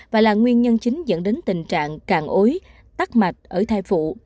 và là nguyên nhân chính dẫn đến tình trạng càng ối tắc mạch ở thai phụ